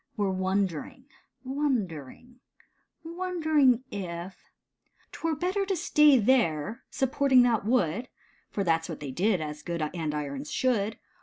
Were wondering — wondering — wondering if *'Twere better to stay there, supporting that wood, For that's what they did, as good andirons should.